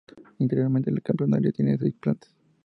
Interiormente, el campanario tiene seis plantas.